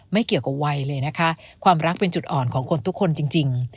ไม่เกี่ยวกับวัยเลยนะคะความรักเป็นจุดอ่อนของคนทุกคนจริง